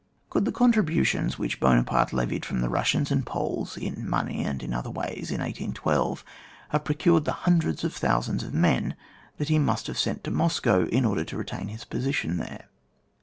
Cotdd the contributions which Buona parte levied from the Bussians and Poles, in money and in other ways, in 1812, have procured the hundreds of thousands of men that he must have sent to Moscow in order to retain his position there